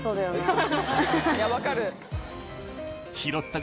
いや分かる。